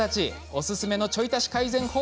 おすすめのちょい足し改善法